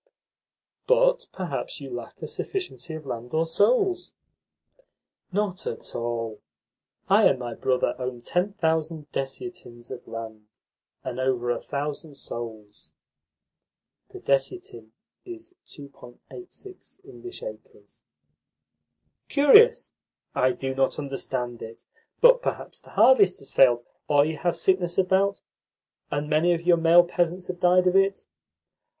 "But perhaps you lack a sufficiency of land or souls?" "Not at all. I and my brother own ten thousand desiatins of land, and over a thousand souls." "Curious! I do not understand it. But perhaps the harvest has failed, or you have sickness about, and many of your male peasants have died of it?"